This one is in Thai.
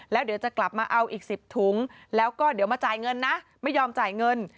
แล้วเดี๋ยวจะกลับมาเอาอีก๑๐ถุงแล้วก็เดี๋ยวมาจ่ายเงินนะไม่ยอมจ่ายเงิน